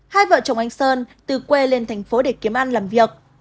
hai vợ chồng anh sơn từ quê lên thành phố để kiếm ăn làm việc